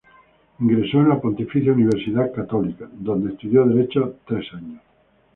Ingresó a la Pontificia Universidad Católica, donde estudió derecho por tres años.